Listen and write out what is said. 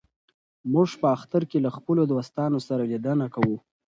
موږ په اختر کې له خپلو دوستانو سره لیدنه کوو.